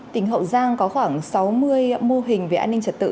tỉnh hậu giang có khoảng sáu mươi mô hình về an ninh trật tự